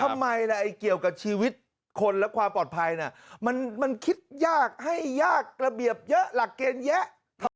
ทำไมล่ะไอ้เกี่ยวกับชีวิตคนและความปลอดภัยมันคิดยากให้ยากระเบียบเยอะหลักเกณฑ์แยะ